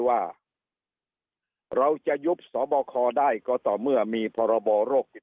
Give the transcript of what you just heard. ว่าเราจะยุบสบคได้ก็ต่อเมื่อมีพรบโรคติดต่อ